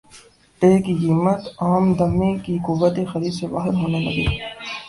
ٹےکی قیمت عام دمی کی قوت خرید سے باہر ہونے لگی